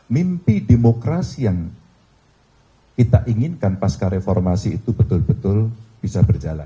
mimpi demokrasi yang kita inginkan pasca reformasi itu betul betul bisa berjalan